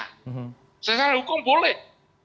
cacat secara hukum boleh